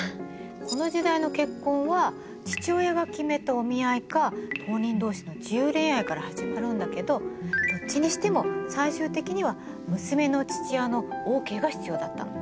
この時代の結婚は父親が決めたお見合いか当人同士の自由恋愛から始まるんだけどどっちにしても最終的には娘の父親のＯＫが必要だったの。